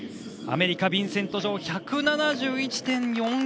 アメリカのビンセント・ジョウ１７１．４４。